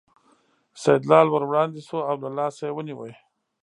سیدلال ور وړاندې شو او له لاسه یې ونیو.